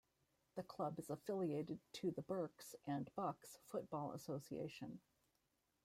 The club is affiliated to the Berks and Bucks Football Association.